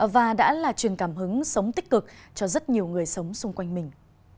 và đã là truyền cảm hứng sống tích cực cho rất nhiều người sống xung quanh mình